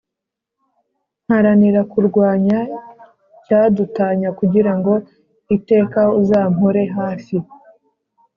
mparanira kurwanya icyadutanya kugira ngo iteka uzampore hafi